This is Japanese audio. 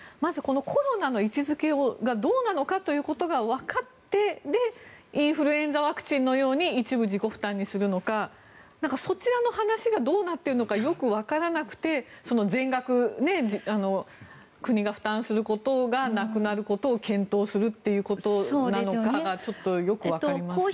コロナの位置付けがどうなのかということがわかってそれでインフルエンザワクチンのように一部自己負担にするのかそちらの話がどうなっているのかよくわからなくて全額、国が負担することがなくなることを検討するということなのかがよくわかりません。